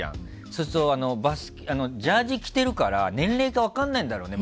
そうするとジャージー着てるから年齢が分からないんだろうね